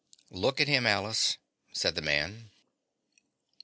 "Look at him, Alice," said the man.